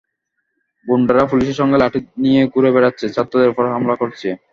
গুন্ডারা পুলিশের সঙ্গে লাঠি নিয়ে ঘুরে বেড়াচ্ছে, ছাত্রদের ওপর হামলা করছে।